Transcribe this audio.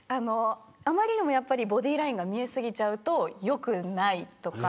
あまりにもボディラインが見えすぎると良くないとか。